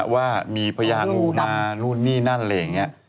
ว่ามีพญางูมานู่นนี่นั่นอะไรอย่างนี้